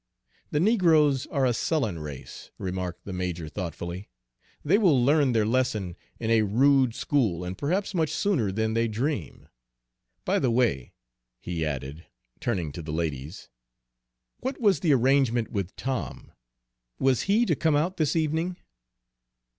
"The negroes are a sullen race," remarked the major thoughtfully. "They will learn their lesson in a rude school, and perhaps much sooner than they dream. By the way," he added, turning to the ladies, "what was the arrangement with Tom? Was he to come out this evening?"